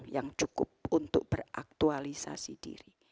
yang cukup untuk beraktualisasi diri